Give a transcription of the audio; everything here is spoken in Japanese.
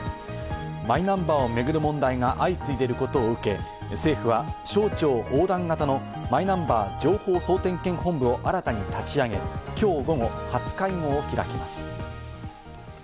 マイナンバーを巡る問題が相次いでいることを受け、政府は、省庁横断型のマイナンバー情報総点検本部を新たに立ち上げ、きょう午後、初会合を開きます。